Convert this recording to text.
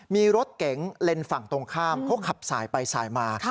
มีรถเก๋งเลนส์ฝั่งตรงข้ามเขาขับสายไปสายมา